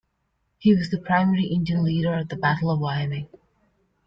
He was the primary Indian leader at the Battle of Wyoming.